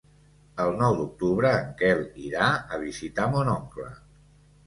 El nou d'octubre en Quel irà a visitar mon oncle.